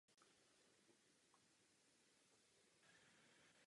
Je to opravdu velká, trvalá pomoc Pákistánu?